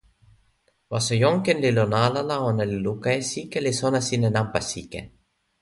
waso Jonken li lon ala la, ona li luka e sike, li sona sin e nanpa sike.